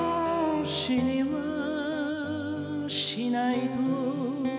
「死にはしないと」